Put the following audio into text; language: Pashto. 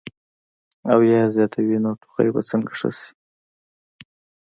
او يا ئې زياتوي نو ټوخی به څنګ ښۀ شي -